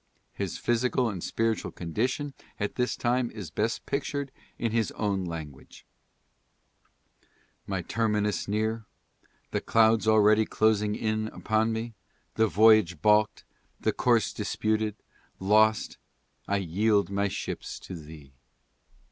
His physical and spiritual condition at this time is best pictured in his own language :" My terminus near, The clouds already closing in upon me, The voyage balk'd, the course disputed, lost, I yield my ships to Thee.